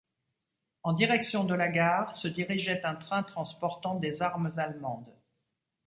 En direction de la gare, se dirigeait un train transportant des armes allemandes.